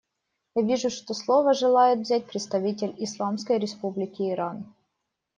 Я вижу, что слово желает взять представитель Исламской Республики Иран.